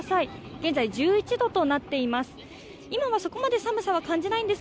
現在１１度となっています。